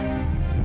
sampai jumpa lagi